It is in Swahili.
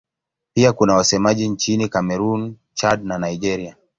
Pia kuna wasemaji nchini Kamerun, Chad na Nigeria.